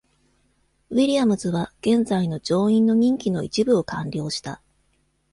ウィリアムズは現在の上院の任期の一部を完了した。